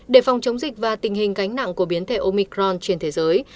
để phòng chống dịch và tình hình gánh nặng của biến thể omicron trên thế giới